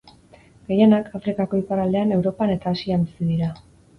Gehienak, Afrikako iparraldean, Europan eta Asian bizi dira.